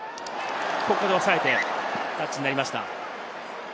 ここで押さえてタッチになりました。